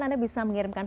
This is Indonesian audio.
anda bisa mengirimkan